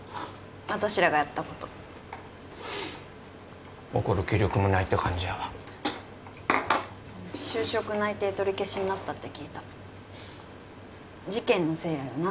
私らがやったこと怒る気力もないって感じやわ就職内定取り消しになったって聞いた事件のせいやよな